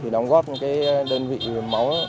đóng góp đơn vị máu